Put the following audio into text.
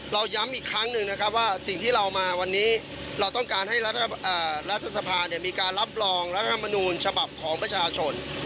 ย้ำอีกครั้งหนึ่งนะครับว่าสิ่งที่เรามาวันนี้เราต้องการให้รัฐสภามีการรับรองรัฐธรรมนูญฉบับของประชาชน